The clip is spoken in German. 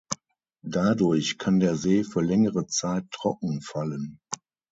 Dadurch kann der See für längere Zeit trocken fallen.